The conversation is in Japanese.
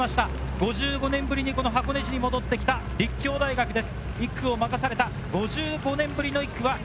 ５５年ぶりに箱根路に戻ってきた立教大学です。